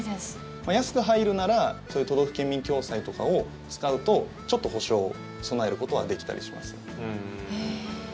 安く入るならそういう都道府県民共済とかを使うとちょっと保障、備えることはできたりします。